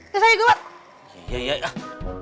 ya saya gue buat